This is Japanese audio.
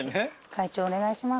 会長お願いします。